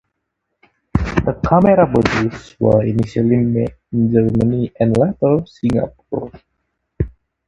The camera bodies were initially made in Germany, and later, Singapore.